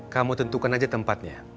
kamu tentukan aja tempatnya